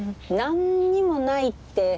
何にもないって。